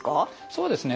そうですね。